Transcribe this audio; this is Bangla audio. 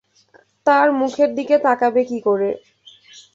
তার মুখের দিকে তাকাবে কী করে?